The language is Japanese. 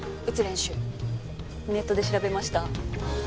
ネットで調べました。